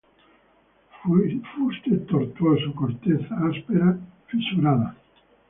Fuste tortuoso; corteza áspera, fisurada.